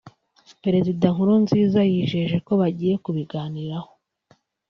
Perezida Nkurunziza yijeje ko bagiye kubiganiraho